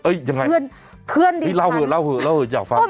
เอ้ยยังไงเพื่อนเพื่อนเล่าเถอะเล่าเถอะเล่าเถอะอยากฟัง